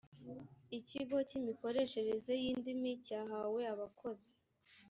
ikigo cy’imikoreshereze y’indimi cyahawe abakozi